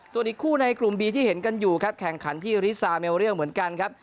ส่วนอีกคู่ในกลุ่มบีที่เห็นกันอยู่ครับแข่งขันที่ริซาเมลเรียลเหมือนกันครับ